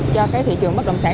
cho cái thị trường bất động sản